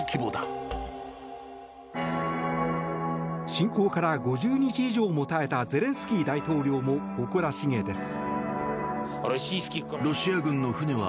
侵攻から５０日以上も耐えたゼレンスキー大統領も誇らしげです。